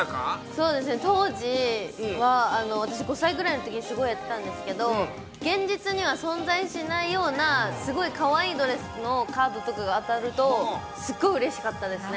そうですね、当時は、私、５歳ぐらいのときにすごいやってたんですけど、現実には存在しないようなすごいかわいいドレスのカードとかが当たると、すごいうれしかったですね。